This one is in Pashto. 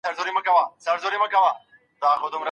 که د ميرمني خوښه نه وي نو حکم څه دی؟